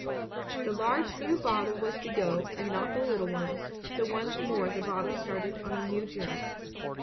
The large new bottle was to go and not the little one; so once more the bottle started on a new journey.